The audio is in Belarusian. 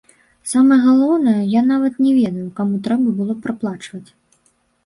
Самае галоўнае, я нават не ведаю, каму трэба было праплачваць.